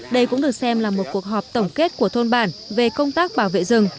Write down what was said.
đây cũng được xem là một cuộc họp tổng kết của thôn bản về công tác bảo vệ rừng